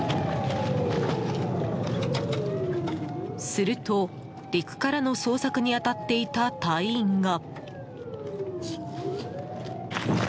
すると、陸からの捜索に当たっていた隊員が。